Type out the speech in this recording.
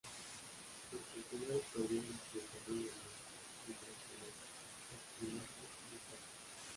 Los populares perdieron dieciocho mil hombres mientras que los optimates, muy pocos.